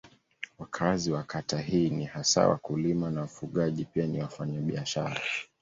Wakazi wa kata hii ni hasa wakulima na wafugaji pia ni wafanyabiashara.